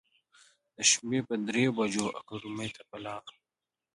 د شپې پر درو بجو اکاډمۍ ته پر لار و.